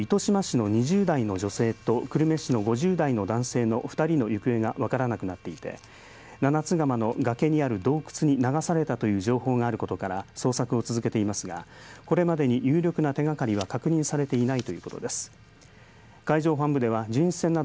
一方糸島市の２０代の女性と久留米市の５０代の男性の２人の行方が分からなくなっていて七ツ釜の崖にある洞窟に流されたという情報があることから捜索を続けていますがこれまでに有力な手がかりは確認されていないということです。